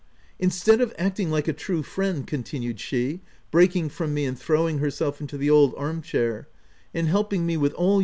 " Instead of acting like a true friend," con tinued she, breaking from me and throwing her self into the old arm chair — M and helping me with all.